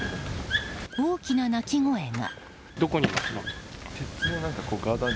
大きな鳴き声が。